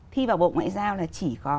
thi vào bộ ngoại giao là chỉ có